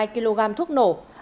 hai hai kg thuốc nổ